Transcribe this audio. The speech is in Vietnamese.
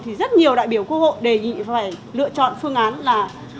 thì rất nhiều đại biểu quốc hội đề nghị phải lựa chọn phương án là